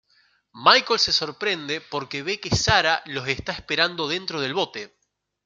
Michael se sorprende porque ve que Sara los está esperando dentro del bote.